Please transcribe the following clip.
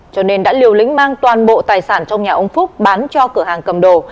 cho nên đã liều lĩnh mang toàn bộ tài sản trong nhà ông phúc bán cho cửa hàng cầm đồ